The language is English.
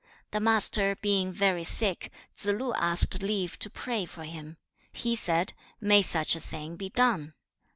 The Master being very sick, Tsze lu asked leave to pray for him. He said, 'May such a thing be done?'